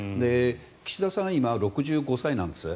岸田さんは今、６５歳なんです。